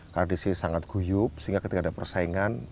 tradisi sangat guyup sehingga ketika ada persaingan